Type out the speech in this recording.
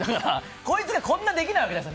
こいつがこんなできないわけですよ。